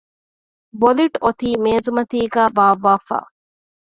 ވޮލިޓް އޮތީ މޭޒުމަތީގައި ބާއްވައިފަ